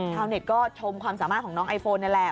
เน็ตก็ชมความสามารถของน้องไอโฟนนี่แหละ